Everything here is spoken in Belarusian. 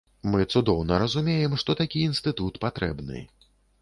Мы цудоўна разумеем, што такі інстытут патрэбны.